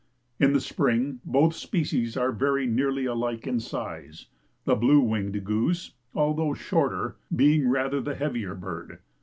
In spring both species are very nearly alike in size, the blue winged goose, although shorter, being rather the heavier bird.